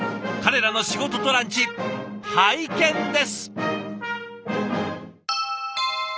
彼らの仕事とランチ拝見です！